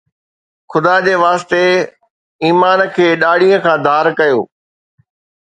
خدا جي واسطي، ايمان کي ڏاڙهي کان ڌار ڪيو